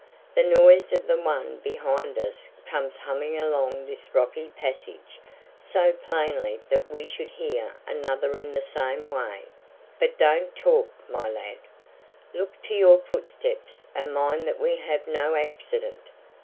The noise of the one behind us comes humming along this rocky passage so plainly that we should hear another in the same way. But don't talk, my lad. Look to your footsteps and mind that we have no accident.